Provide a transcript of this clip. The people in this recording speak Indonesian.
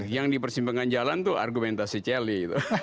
yang dipersimpangkan jalan itu argumentasi cele